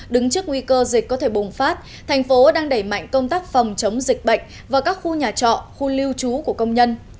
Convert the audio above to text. đứng trước nguy cơ dịch có thể bùng phát thành phố đang đẩy mạnh công tác phòng chống dịch bệnh vào các khu nhà trọ khu lưu trú của công nhân